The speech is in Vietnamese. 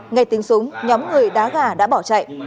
ngày tính súng nhóm người đá gà đã bỏ chạy